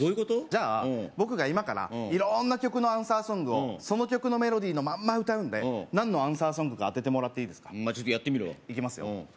じゃあ僕が今から色んな曲のアンサーソングをその曲のメロディーのまんま歌うんで何のアンサーソングか当ててもらっていいですかちょっとやってみるわいきますよ